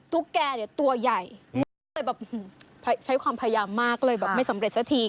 ตุ๊กแกะเนี้ยตัวใหญ่แบบใช้ความพยายามมากเลยแบบไม่สำเร็จซักที